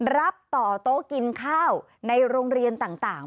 รับต่อโต๊ะกินข้าวในโรงเรียนต่าง